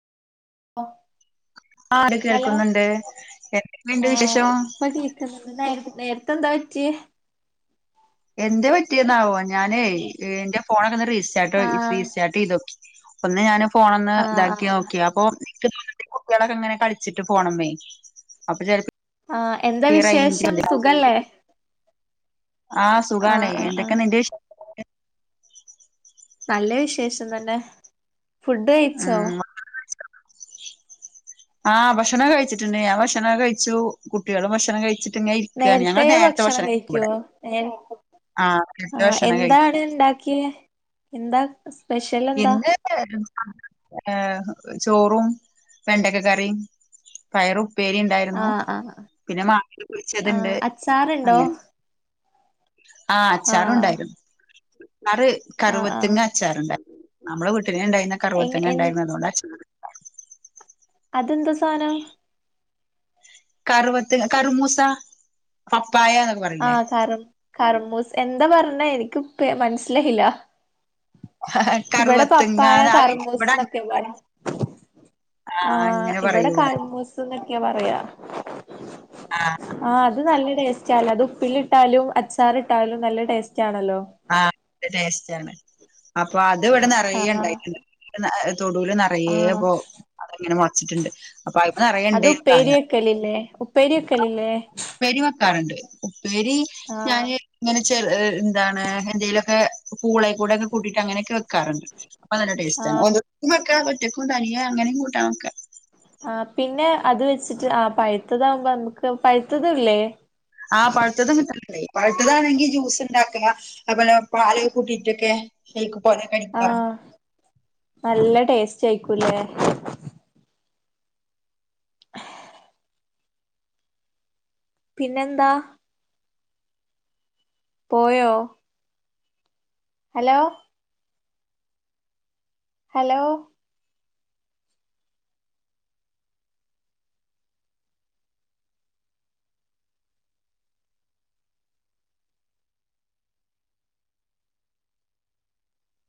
ഓ ആഹ് ഹലോ കേൾക്കുന്നുണ്ട് എന്തൊക്കെയുണ്ട് ആ വിശേഷം [unintelligible] നേരത്തെ എന്താ വെച്ചേ എന്ത് പറ്റിയന്നാവോ ഞാനേ എന്റെ ഫോണൊക്കെന്ന് റീസ്റ്റാർട്ട് ആഹ് റീസ്റ്റാർട്ട് ചെയ്തു നോക്കി ഒന്ന് ഞാന് ഫോൺ ഒന്ന് ആഹ് ആഹ് ഇതാക്കി ആഹ് നോക്കി അപ്പൊ കുട്ടികളൊക്കെ അങ്ങനെ കളിച്ചിട്ട് പോണംനെ അപ്പൊ ചെ ആ എന്താ വിശേഷം സുഖല്ലേ ആഹ് സുഖണേ ആഹ് എന്തൊക്കെ ആഹ് നിന്റെ വിശേഷങ്ങൾ നല്ല വിശേഷം തന്നെ ഫുഡ് കഴിച്ചോ ഉം ആ ഭക്ഷണം കഴിച്ചിട്ടുണ്ട് ഞാൻ ഭക്ഷണം കഴിച്ചു കുട്ടികളും ഭക്ഷണം കഴിച് ട്ടങ്ങ ഇരിക്കുകയാണ് ഞങ്ങൾ നേരത്തെ ഭക്ഷണം കഴിക്കും ഇവിടെ ആഹ് രണ്ട് ആഹ് ഭക്ഷണം എന്താണ് കഴിക്കും ഇണ്ടാക്കിയെ എന്താ സ്പെഷ്യൽ എന്താ [unintelligible] ഏ ചോറും വെണ്ടക്ക കറിയും പയറും ഉപേരി ഉണ്ടായിരുന്നു ആഹ് ആഹ് പിന്നെ മാട്ടില് ആഹ് കുഴിച്ചത്ണ്ട് അച്ചാറുണ്ടോ അങ്ങനെ ആ ആഹ് അച്ചാറുണ്ടായിരുന്നു ച്ചാറ് ആഹ് ആഹ് കറുവത്തിങ്ങ അച്ചാറണ്ടായിരുന്നു നമ്മള് വി ഉപ്പേരി ഉണ്ടായിരുന്നു എങ് കരുവാതിങ എൻ ഉണ്ടായിരുന്നത്തൊണ്ട് അച്ചാർ അതെന്താ സാനം കറവത്ത് കറമൂസ പ ആ കർ കറമൂസ് എന്താ പറഞ്ഞെ എനിക്ക് മനസ്സിലായില്ല ഇവിടെ കറുവത്തിങ്ങ പപ്പായ കർമൂസ് ഇവിടെ എന്നൊക്കെ പറ ആ ഇവിടെ കാലമൂസ് എന്നൊക്കെയാ പറയാ ആ ആ അത് നല്ല ടേസ്റ്റ്ല്ല അത് ഉപ്പിലി ഇട്ടാലും അച്ചാറി ഇട്ടാലും നല്ല ടേസ്റ്റ് റ്റ് ആണല്ലോ ആ ടേസ്റ്റ് ആണ് അപ്പൊ അത് ഇവിടെ നിറയെ ആഹ് ഇണ്ടായിട്ടിണ്ട് ഉഹ് തൊടുല നിറയെ ആഹ് പോ അതെങ്ങനെ മറച്ചിട്ടുണ്ട് അപ്പൊ അയിന്ന് അത് അറിയണ്ടേ പ്രായ ഉപ്പേരി വെക്കലില്ലേ ഉപ്പേരി വെക്കലിലെ ഉപ്പേരി വെക്കാറുണ്ട് ഉപ്പേരി ആഹ് ഞാന് ഇങ്ങനെ ചെ എന്താണ് എന്തെലൊക്കെ പൂളെ കൂടെക്കെകൂട്ടീട് അങനെകെ വെക്കാറണ്ട് അപ്പൊ നല്ല ടേസ് ആണ് ആഹ് ഒന്നു വെക്കാതെ റ്റക്കും തരിയ അങ്ങനെ കൂട്ടൻ ഒക്കെ ആ പിന്നെ അത് വെച്ചിട്ട് ആ പഴുത്തതാകുമ്പോ നമുക്ക് പഴത്തതല്ലേ അഹ് പഴുത്തതും കിട്ടാലിന്ടെ പഴുത്തതാണെങ്കി ജ്യൂസ് ഉണ്ടാക്കുക അതുപോലെ പാൽ കൂട്ടിയിട്ടൊക്കെ ഷേക്ക് പോലെ കടിക്കാ ആഹ് നല്ല ടേസ്റ്റ് യിക്കൂലേ പിന്നെന്താ പോയോ ഹലോ ഹലോ